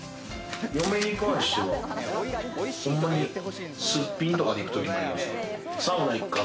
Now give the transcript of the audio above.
嫁に関してはすっぴんとかで行くときもあります。